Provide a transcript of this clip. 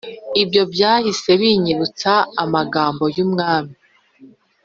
Ibyo byahise binyibutsa amagambo y Umwami